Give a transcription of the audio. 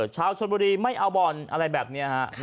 ชาวชนบุรีไม่เอาบ่อนอะไรแบบนี้ฮะ